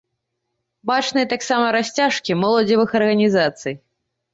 Бачныя таксама расцяжкі моладзевых арганізацый.